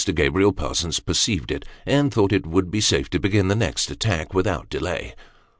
Gabriel Parsons perceived it, and thought it would be safe to begin the next attack without delay.